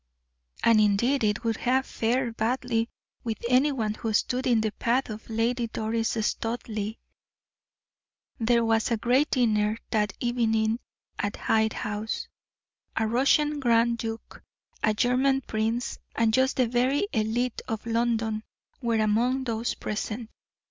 And indeed it would have fared badly with any one who stood in the path of Lady Doris Studleigh. There was a great dinner that evening at Hyde House. A Russian grand duke, a German prince, and just the very elite of London were among those present.